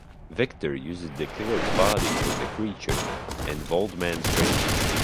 Victor uses the killer's body for the creature, and Waldman's brain.